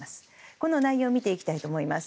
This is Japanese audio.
この内容を見ていきたいと思います。